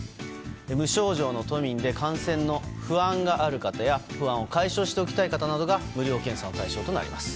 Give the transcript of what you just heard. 無症状の都民で感染の不安がある方や不安を解消しておきたい方などが無料検査の対象となります。